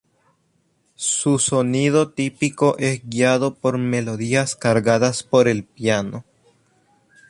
Su sonido típico es guiado por melodías cargadas por el piano.